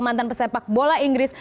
mantan pesepak bola inggris